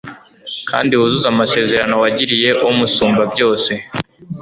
kandi wuzuze amasezerano wagiriye umusumbabyose